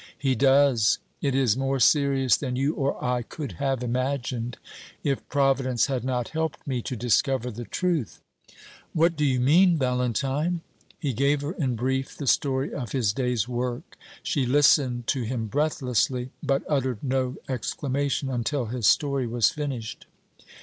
"He does. It is more serious than you or I could have imagined, if Providence had not helped me to discover the truth." "What do you mean, Valentine?" He gave her in brief the story of his day's work. She listened to him breathlessly, but uttered no exclamation until his story was finished.